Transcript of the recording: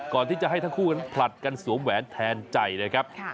ก่อนที่จะให้ทั้งคู่นั้นผลัดกันสวมแหวนแทนใจนะครับ